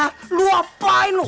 ah lu apain lu